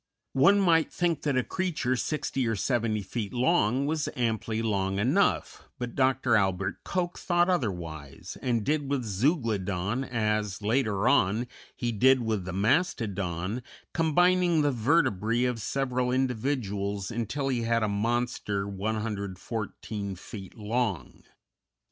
] One might think that a creature sixty or seventy feet long was amply long enough, but Dr. Albert Koch thought otherwise, and did with Zeuglodon as, later on, he did with the Mastodon, combining the vertebræ of several individuals until he had a monster 114 feet long!